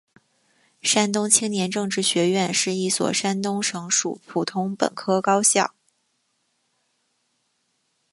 山东青年政治学院是一所山东省属普通本科高校。